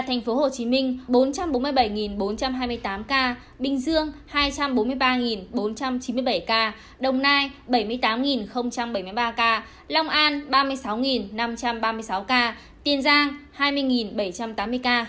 tp hcm bốn trăm bốn mươi bảy bốn trăm hai mươi tám ca bình dương hai trăm bốn mươi ba bốn trăm chín mươi bảy ca đồng nai bảy mươi tám bảy mươi ba ca long an ba mươi sáu năm trăm ba mươi sáu ca tiên giang hai mươi bảy trăm tám mươi ca